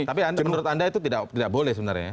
tapi menurut anda itu tidak boleh sebenarnya ya